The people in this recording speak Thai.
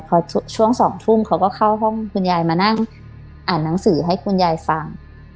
พอช่วง๒ทุ่มเขาก็เข้าห้องคุณยายมานั่งอ่านหนังสือให้คุณยายฟัง